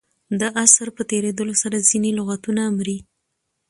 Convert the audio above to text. د عصر په تېرېدلو سره ځیني لغتونه مري.